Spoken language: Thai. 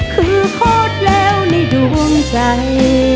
คือโคตรเลวในดวงใจ